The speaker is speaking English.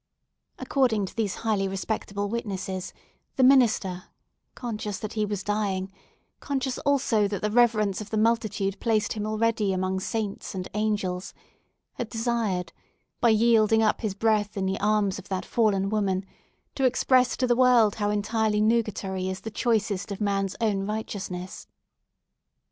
According to these highly respectable witnesses, the minister, conscious that he was dying—conscious, also, that the reverence of the multitude placed him already among saints and angels—had desired, by yielding up his breath in the arms of that fallen woman, to express to the world how utterly nugatory is the choicest of man's own righteousness.